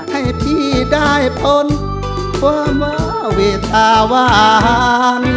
ให้พี่ได้พลความว่าวิทยาวัน